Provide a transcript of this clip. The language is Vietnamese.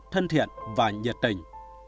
thân thiện và nhiệt tình